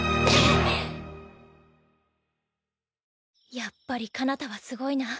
やっぱりかなたはすごいな。